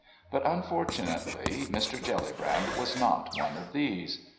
But, unfortunately, Mr. Jellybrand was not one of these.